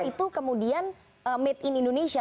itu kemudian made in indonesia